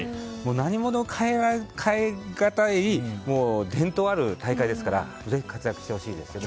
何にも代えがたい伝統ある大会ですからぜひ活躍してほしいですね。